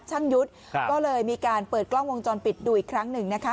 ยุทธ์ก็เลยมีการเปิดกล้องวงจรปิดดูอีกครั้งหนึ่งนะคะ